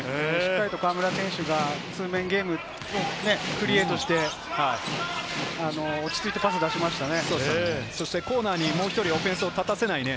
しっかりと河村選手がゲームをクリエイトして、落ち着いてパスを出しましたね。